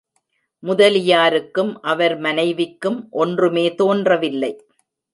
முதலியாருக்கும், அவர் மனைவிக்கும் ஒன்றுமே தோன்றவில்லை.